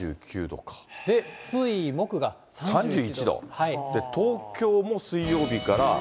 水、木が東京も水曜日から。